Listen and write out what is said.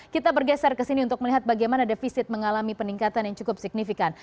kita bergeser ke sini untuk melihat bagaimana defisit mengalami peningkatan yang cukup signifikan